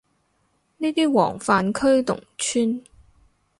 呢啲黃泛區農村